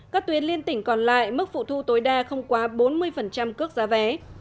các tuyến liên tỉnh còn lại mức phụ thu tối đa không quá bốn mươi cước giá vé